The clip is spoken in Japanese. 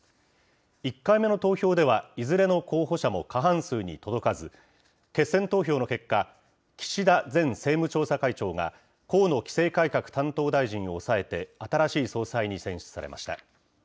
１回目の投票では、いずれの候補者も過半数に届かず、決選投票の結果、岸田前政務調査会長が河野規制改革担当大臣を抑えて、新しい総裁に選出されました。